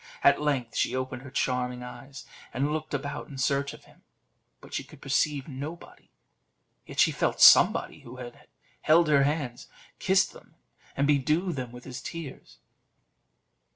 At length she opened her charming eyes, and looked about in search of him, but she could perceive nobody; yet she felt somebody who held her hands, kissed them, and bedewed them with his tears.